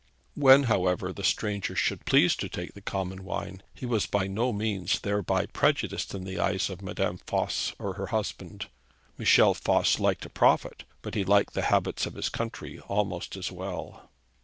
When, however, the stranger should please to take the common wine, he was by no means thereby prejudiced in the eyes of Madame Voss or her husband. Michel Voss liked a profit, but he liked the habits of his country almost as well.